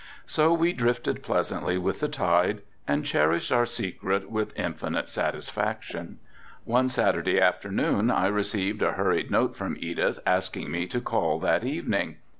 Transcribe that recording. So we drifted pleasantly with the tide and cherished our secret with infinite satisfaction. One Saturday afternoon I received a hurried note from Edith asking me to call that evening.